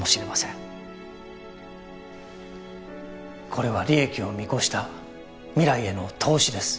これは利益を見越した未来への投資です。